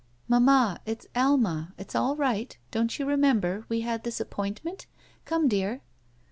*' "Mamma, it's Alma. It's all right. Don't you remember, we had this appointment? Come, dear."